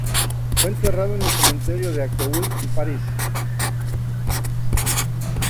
Fue enterrado en el Cementerio de Auteuil, en París.